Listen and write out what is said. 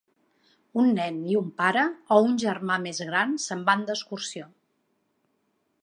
Un nen i un pare o un germà més gran se'n van d'excursió